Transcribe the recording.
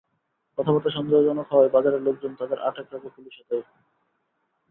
কথাবার্তা সন্দেহজনক হওয়ায় বাজারের লোকজন তাঁদের আটকে রেখে পুলিশে খবর দেয়।